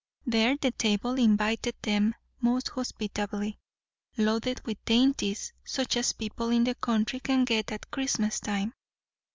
There the table invited them most hospitably, loaded with dainties such as people in the country can get at Christmas time.